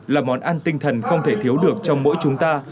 là món ăn tinh thần không thể thiếu được trong mỗi chúng ta